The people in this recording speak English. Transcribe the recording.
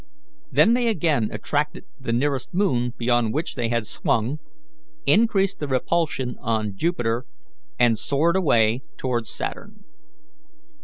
Then they again attracted the nearest moon beyond which they had swung, increased the repulsion on Jupiter, and soared away towards Saturn.